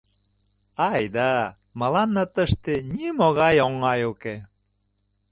Айда, мыланна тыште нимогай оҥай уке.